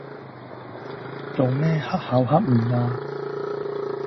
做咩黑口黑面呀？